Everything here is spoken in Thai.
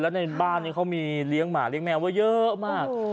และในบ้านเขามีเลี้ยงหมาเลี้ยงแมวเยอะมาก